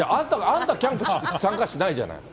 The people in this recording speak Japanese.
あんたキャンプ参加しないじゃない。